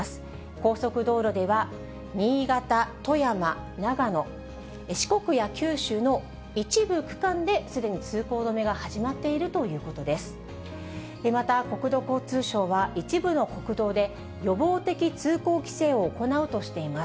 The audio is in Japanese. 高速道路では、新潟、富山、長野、四国や九州の一部区間ですでに通行止めが始まっているということです。